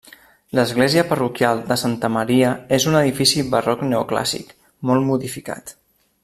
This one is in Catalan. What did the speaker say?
L'església parroquial de Santa Maria és un edifici barroc-neoclàssic, molt modificat.